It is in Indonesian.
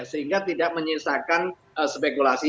sehingga tidak menyisakan spekulasi